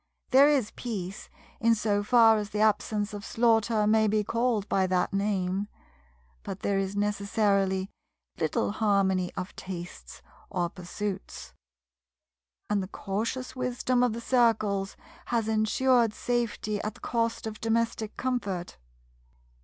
There is peace, in so far as the absence of slaughter may be called by that name, but there is necessarily little harmony of tastes or pursuits; and the cautious wisdom of the Circles has ensured safety at the cost of domestic comfort.